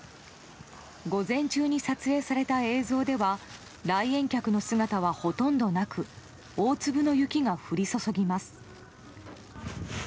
午前中に撮影された映像では来園客の姿はほとんどなく大粒の雪が降り注ぎます。